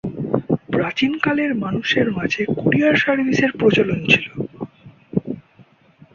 প্রাচীনকালের মানুষের মাঝে কুরিয়ার সার্ভিসের প্রচলন ছিল।